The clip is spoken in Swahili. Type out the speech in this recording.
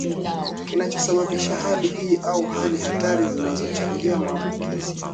Kinachosababisha hali hii au Hali hatari zinazochangia maambukizi